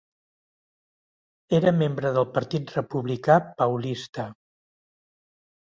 Era membre del Partit Republicà Paulista.